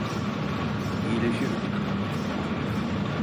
İyileşirim.